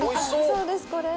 そうですこれ。